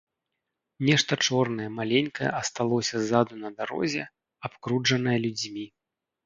Нешта чорнае, маленькае асталося ззаду на дарозе, абкружанае людзьмі.